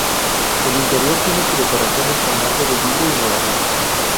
El interior tiene decoraciones con arte de vidrio y murales.